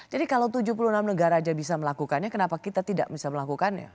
jadi kalau tujuh puluh enam negara saja bisa melakukannya kenapa kita tidak bisa melakukannya